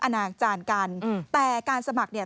นานาจารย์กันแต่การสมัครเนี่ย